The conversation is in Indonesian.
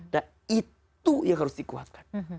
nah itu yang harus dikuatkan